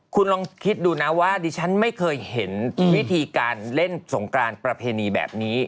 คุณลองคิดดูนะว่าดิฉันไม่เคยเห็นวิธีการเล่นสงกรานประเพณีแบบนี้